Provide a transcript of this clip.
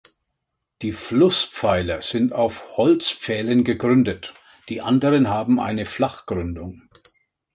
Die Flusspfeiler sind auf Holzpfählen gegründet, die anderen haben eine Flachgründung.